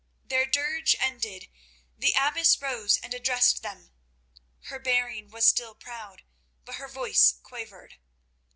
Their dirge ended, the abbess rose and addressed them. Her bearing was still proud, but her voice quavered.